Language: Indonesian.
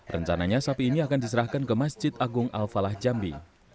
rencananya sapi ini akan diserahkan ke masjid agung al falah jambi